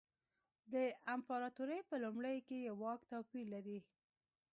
د امپراتورۍ په لومړیو کې یې واک توپیر لري.